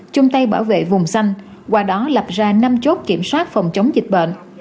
chung tay bảo vệ vùng xanh qua đó lập ra năm chốt kiểm soát phòng chống dịch bệnh